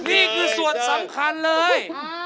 นี่คือส่วนสำคัญเลย